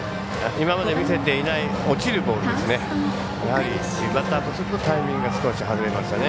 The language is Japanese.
今まで見せていない落ちるボールですね。